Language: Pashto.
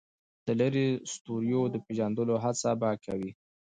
د لرې ستوریو د پېژندلو هڅه به کوي.